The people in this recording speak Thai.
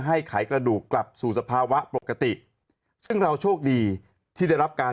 ไขกระดูกกลับสู่สภาวะปกติซึ่งเราโชคดีที่ได้รับการ